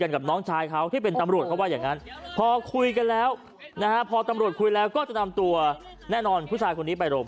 นะฮะพอตำรวจเคยคุยแล้วก็จะทำตัวแน่นอนผู้ชายคนนี้ไปโลกพัก